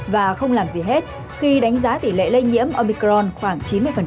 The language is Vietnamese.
và không làm gì hết khi đánh giá tỷ lệ lây nhiễm omicron khoảng chín mươi